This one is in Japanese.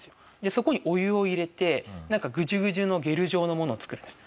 そこにお湯を入れてなんかグジュグジュのゲル状のものを作るんです。